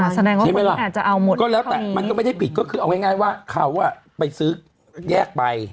ใช่ไหมล่ะมันก็ไม่ได้ผิดก็คือเอาง่ายว่าเขาไปซื้อแยกใบ